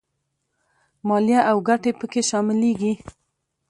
مالیه او ګټې په کې شاملېږي